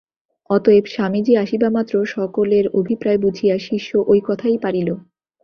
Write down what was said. অতএব স্বামীজী আসিবামাত্র সকলের অভিপ্রায় বুঝিয়া শিষ্য ঐ কথাই পাড়িল।